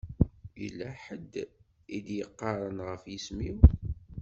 Yella ḥedd i d-yeɣɣaren ɣef yisem-iw.